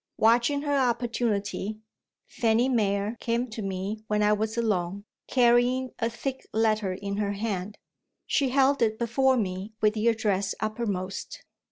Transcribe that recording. Watching her opportunity, Fanny Mere came to me while I was alone, carrying a thick letter in her hand. She held it before me with the address uppermost.